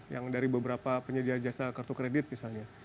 yang dari beberapa penyedia jasa kartu kredit misalnya